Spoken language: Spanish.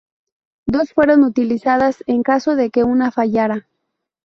Dos fueron utilizadas, en caso de que una fallara.